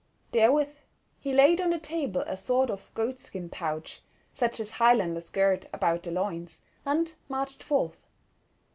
Therewith he laid on the table a sort of goatskin pouch, such as Highlanders gird about their loins, and marched forth.